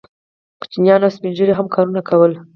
ماشومانو او سپین ږیرو هم کارونه کول.